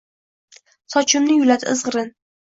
Sochimni yuladi izgʻirin